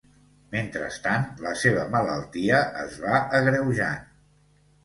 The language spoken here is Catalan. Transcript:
Mentrestant, la seva malaltia es va agreujant.